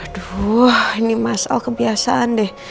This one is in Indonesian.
aduh ini mas al kebiasaan deh